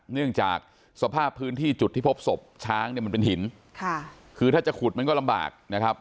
เนื่องจากสภาพพื้นที่จุดที่พบศพช้างเนี่ยมันเป็นหินค่ะคือถ้าจะขุดมันก็ลำบากนะครับ